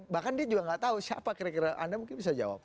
bahkan dia juga nggak tahu siapa kira kira anda mungkin bisa jawab